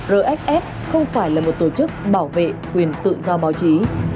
rsf không phải là một tổ chức bảo vệ quyền tự do báo chí